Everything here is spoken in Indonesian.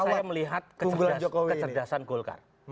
saya melihat kecerdasan golkar